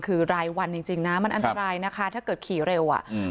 คือรายวันจริงจริงนะมันอันตรายนะคะถ้าเกิดขี่เร็วอ่ะอืม